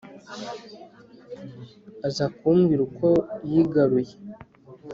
aza kumbwira uko yigaruye